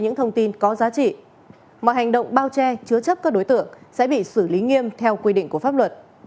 hành động bao che chứa chấp các đối tượng sẽ bị xử lý nghiêm theo quy định của pháp luật